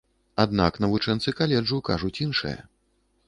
Аднак навучэнцы каледжу кажуць іншае.